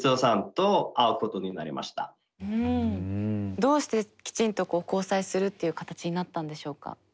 どうしてきちんと交際するっていう形になったんでしょうか？